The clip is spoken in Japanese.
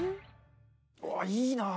うわーいいなあ！